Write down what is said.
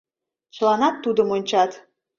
Чыланат тудым ончат.